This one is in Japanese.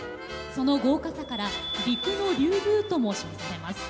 その豪華さから「陸の竜宮」とも称されます。